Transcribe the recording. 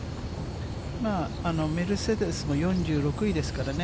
メルセデスも４６位ですからね。